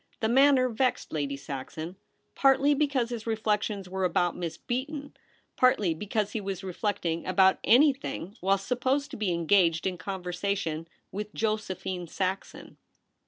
The manner vexed Lady Saxon, partly because his reflections were about Miss Beaton, partly because he was reflecting about anything while supposed to be engaged in conversation with Josephine Saxon.